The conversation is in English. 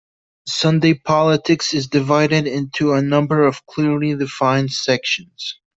"Sunday Politics" is divided into a number of clearly defined sections.